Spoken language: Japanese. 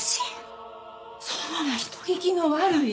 そんな人聞きの悪い。